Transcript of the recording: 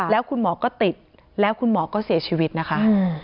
แล้วคุณหมอก็ติดแล้วคุณหมอก็เสียชีวิตนะคะ